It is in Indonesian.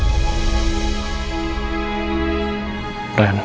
dan dia masih terus menolong papa